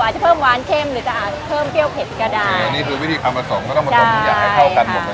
จะเพิ่มหวานเข้มหรือจะอาจเพิ่มเปรี้ยวเผ็ดก็ได้อันนี้คือวิธีความผสมก็ต้องผสมทุกอย่างให้เข้ากันหมดเลย